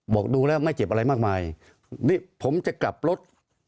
บอกดูแล้วไม่เจ็บอะไรมากมายนี่ผมจะกลับรถ